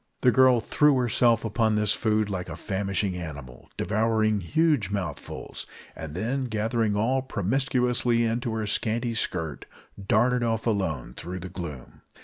The girl threw herself upon the food like a famishing animal, devoured huge mouthfuls, and then, gathering all promiscuously into her scanty skirt, darted off alone through the gloom.